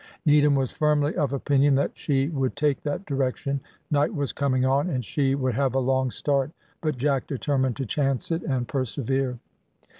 Needham was firmly of opinion that she would take that direction. Night was coming on, and she would have a long start, but Jack determined to chance it, and persevere.